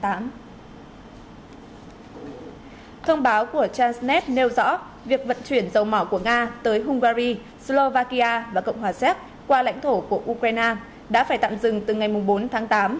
thông báo của transnet nêu rõ việc vận chuyển dầu mỏ của nga tới hungary slovakia và cộng hòa séc qua lãnh thổ của ukraine đã phải tạm dừng từ ngày bốn tháng tám